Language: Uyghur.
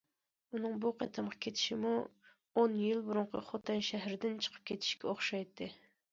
ئۇنىڭ بۇ قېتىمقى كېتىشىمۇ ئون يىل بۇرۇنقى خوتەن شەھىرىدىن چىقىپ كېتىشكە ئوخشايتتى.